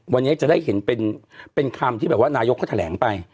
วันเนี้ยจะได้เห็นเป็นคำที่เวลานายกก็แถลงไป